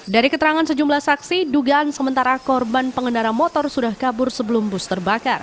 dari keterangan sejumlah saksi dugaan sementara korban pengendara motor sudah kabur sebelum bus terbakar